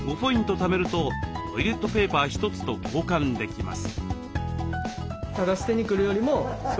ためるとトイレットペーパー１つと交換できます。